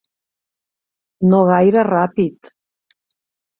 No gaire ràpid.